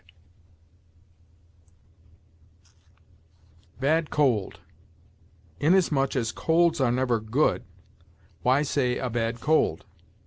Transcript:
BAD COLD. Inasmuch as colds are never good, why say a bad cold?